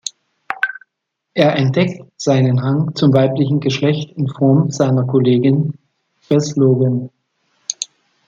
Er entdeckt seinen Hang zum weiblichen Geschlecht in Form seiner Kollegin Beth Logan.